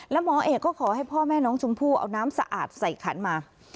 แล้วหมอเอกก็ขอให้พ่อแม่น้องชมพู่เอาน้ำสะอาดใส่ขันมา